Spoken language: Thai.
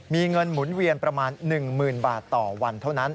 มีเงินหมุนเวียนประมาณ๑๐๐๐บาทต่อวันเท่านั้น